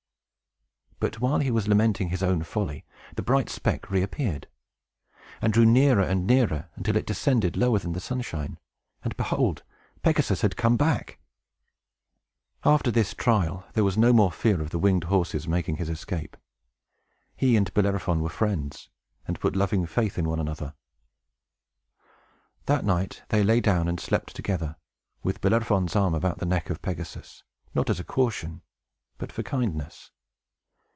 But, while he was lamenting his own folly, the bright speck reappeared, and drew nearer and nearer, until it descended lower than the sunshine; and, behold, Pegasus had come back! After this trial there was no more fear of the winged horse's making his escape. He and Bellerophon were friends, and put loving faith in one another. That night they lay down and slept together, with Bellerophon's arm about the neck of Pegasus, not as a caution, but for kindness.